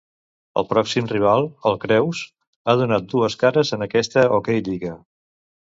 El pròxim rival, el Creus, ha donat dues cares en aquesta OkLliga.